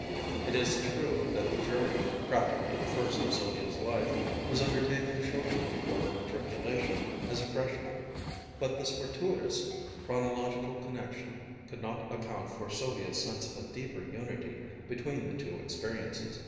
It is true that the journey, practically the first in Sylvia's life, was undertaken shortly before her matriculation as a Freshman, but this fortuitous chronological connection could not account for Sylvia's sense of a deeper unity between the two experiences.